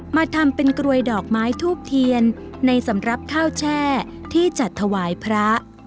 มาทำเป็นกรวยดอกไม้ทูบเทียนในสำหรับข้าวแช่ที่จัดถวายพระ